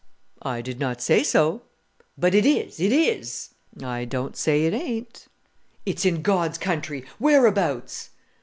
"I did not say so." "But it is, it is!" "I don't say it ain't." "It's in God's country whereabouts?"